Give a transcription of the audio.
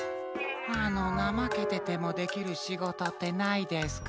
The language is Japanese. あのなまけててもできるしごとってないですか？